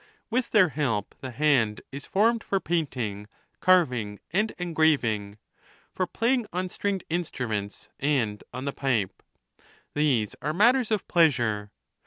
With their help, the hand is formed for painting, carving, and engraving ; for playing on stringed instruments, and on the pipe. These are matters of pleasure.